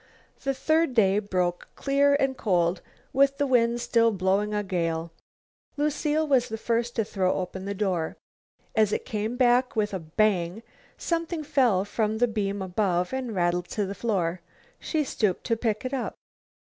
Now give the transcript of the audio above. The third day broke clear and cold with the wind still blowing a gale. Lucile was the first to throw open the door. As it came back with a bang, something fell from the beam above and rattled to the floor. She stooped to pick it up.